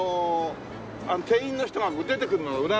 店員の人が出てくるのが裏なのよ。